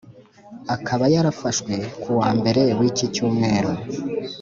Akaba yarafashwe ku wa Mbere w’Iki cyumweru